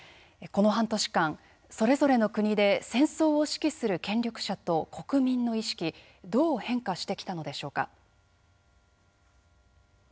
この半年間、それぞれの国で戦争を指揮する権力者と国民の意識どう変化してきたのでしょうか。